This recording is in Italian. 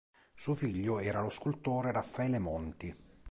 Suo figlio era lo scultore Raffaele Monti.